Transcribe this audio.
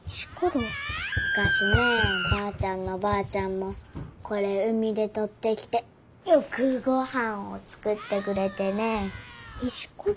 むかしねばあちゃんのばあちゃんもこれ海でとってきてよくごはんを作ってくれてね。